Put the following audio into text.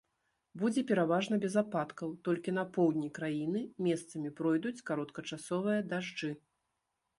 Будзе пераважна без ападкаў, толькі на поўдні краіны месцамі пройдуць кароткачасовыя дажджы.